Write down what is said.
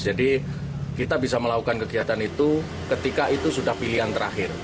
jadi kita bisa melakukan kegiatan itu ketika itu sudah pilihan terakhir